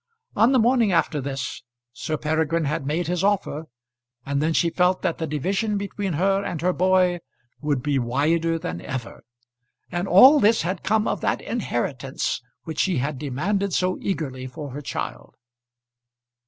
On the morning after this Sir Peregrine had made his offer, and then she felt that the division between her and her boy would be wider than ever. And all this had come of that inheritance which she had demanded so eagerly for her child.